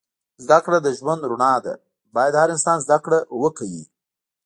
زده کړه د ژوند رڼا ده. باید هر انسان زده کړه وه کوی